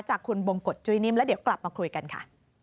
จากคุณบงกฎจุ้ยนิ่มแล้วเดี๋ยวกลับมาคุยกันค่ะ